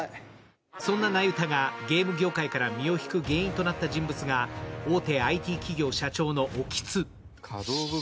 そんな那由他がゲーム業界から身を引く原因となった人物が、大手ＩＴ企業社長の興津。